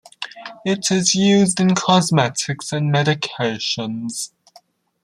It is used in cosmetics and medications.